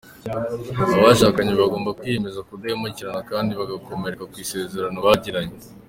Abashakanye bagomba kwiyemeza kudahemukirana kandi bagakomera ku isezerano bagiranye.